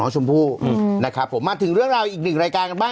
ชมพู่นะครับผมมาถึงเรื่องราวอีกหนึ่งรายการกันบ้าง